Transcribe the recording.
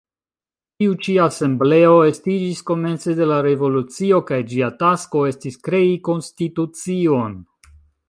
Tiu ĉi asembleo estiĝis komence de la revolucio kaj ĝia tasko estis krei konstitucion.